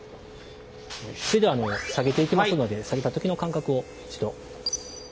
それでは下げていきますので下げた時の感覚を一度。